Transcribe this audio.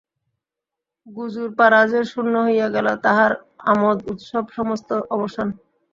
গুজুরপাড়া যে শূন্য হইয়া গেল–তাহার আমোদ-উৎসব সমস্ত অবসান।